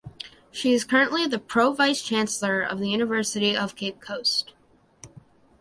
She is currently the Pro Vice Chancellor of the University of Cape Coast.